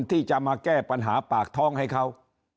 ที่จะมาแก้ปัญหาปากท้องให้เขา